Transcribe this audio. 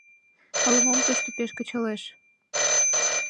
— Ала-мом тушто пеш кычалеш.